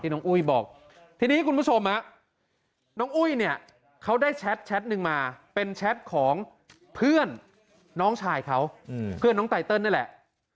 น้องอุ้ยบอกทีนี้คุณผู้ชมน้องอุ้ยเนี่ยเขาได้แชทหนึ่งมาเป็นแชทของเพื่อนน้องชายเขาเพื่อนน้องไตเติลนี่แหละ